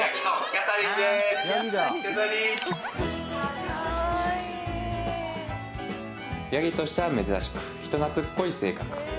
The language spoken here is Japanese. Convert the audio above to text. キャサリンヤギとしては珍しく人懐っこい性格